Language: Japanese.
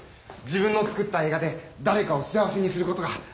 自分の作った映画で誰かを幸せにすることが。